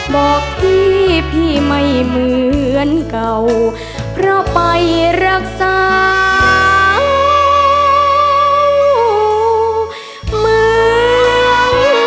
บอกพี่พี่ไม่เหมือนเก่าเพราะไปรักษาเมือง